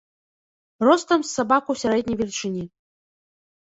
Ростам з сабаку сярэдняй велічыні.